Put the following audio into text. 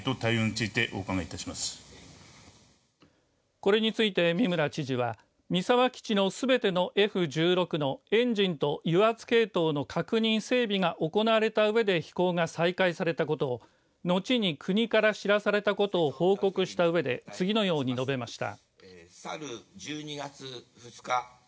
これについて三村知事は三沢基地のすべてのＦ１６のエンジンと油圧系統の確認、整備が行われたうえで飛行が再開されたことを後に国から知らされたことを報告したうえで次のように述べました。